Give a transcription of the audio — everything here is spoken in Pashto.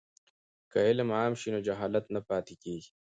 که علم عام شي نو جهالت نه پاتې کیږي.